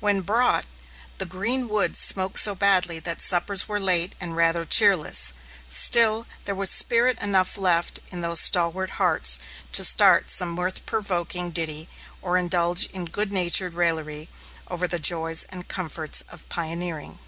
When brought, the green wood smoked so badly that suppers were late and rather cheerless; still there was spirit enough left in those stalwart hearts to start some mirth provoking ditty, or indulge in good natured raillery over the joys and comforts of pioneering.